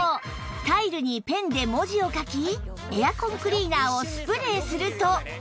タイルにペンで文字を書きエアコンクリーナーをスプレーすると